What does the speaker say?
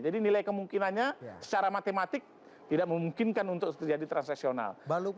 jadi nilai kemungkinannya secara matematik tidak memungkinkan untuk terjadi transaksional